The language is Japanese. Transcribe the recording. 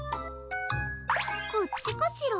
こっちかしら？